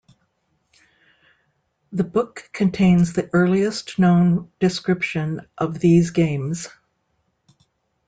The book contains the earliest known description of these games.